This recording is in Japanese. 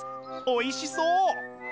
おいしそう！